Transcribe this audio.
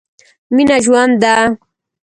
مينه ژوند ده.